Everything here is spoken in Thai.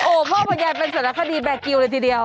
โอ้พ่อบรรยานเป็นสรรคดีแบร์ค์กิวเลยทีเดียว